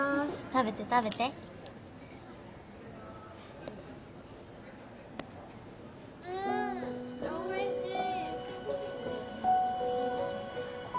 食べて食べて・うんおいしい！